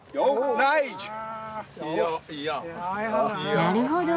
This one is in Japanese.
なるほど！